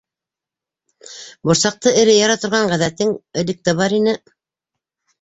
Борсаҡты эре яра торған ғәҙәтең элек тә бар ине...